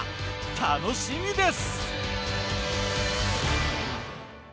楽しみです。